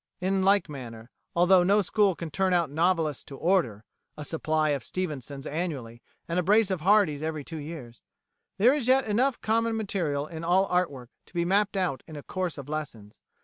In like manner, although no school could turn out novelists to order a supply of Stevensons annually, and a brace of Hardys every two years there is yet enough common material in all art work to be mapped out in a course of lessons.